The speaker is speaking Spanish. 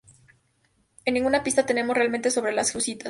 Y ninguna pista tenemos realmente sobre las jesuitas.